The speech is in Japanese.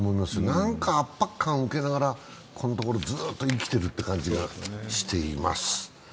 何か圧迫感を受けながらここのところずっと生きているという感じがします。